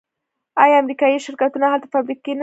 آیا امریکایی شرکتونه هلته فابریکې نلري؟